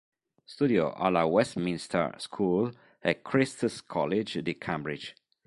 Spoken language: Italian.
Studiò alla Westminster School e Christ's College di Cambridge.